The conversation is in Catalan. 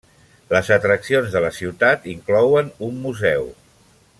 Les atraccions de la ciutat inclouen un museu.